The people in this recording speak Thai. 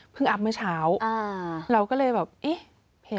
เพิ่งอัพเมื่อเช้าเราก็เลยแบบเอ๊ะเพลงนี้แปลก